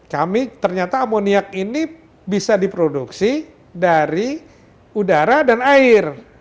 kami ternyata amoniak ini bisa diproduksi dari udara dan air